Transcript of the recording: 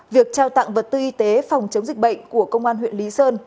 việc trao tặng vật tư y tế phòng chống dịch bệnh của công an huyện lý sơn